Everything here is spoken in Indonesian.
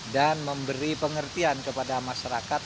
dan memberi pengertian kepada masyarakat